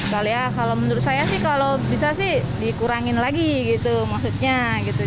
kali ya kalau menurut saya sih kalau bisa sih dikurangin lagi gitu maksudnya gitu